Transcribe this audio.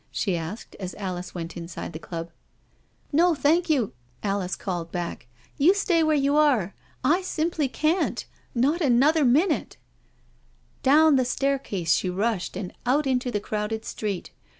'* she asked, as Alice went inside the Club. " No thank you/' Alice called back, " you stay where you are. I simply can't — not another minute/' Down the staircase she rushed and out into the crowded street.